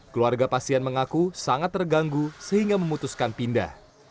keluarga pasien mengaku sangat terganggu sehingga memutuskan pindah